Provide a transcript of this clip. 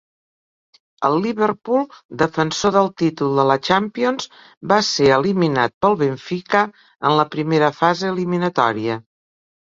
El Liverpool, defensor del títol de la Champions, va ser eliminat pel Benfica, en la primera fase eliminatòria.